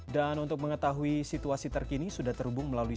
dan untuk mengetahui situasi terkini sudah terhubung melalui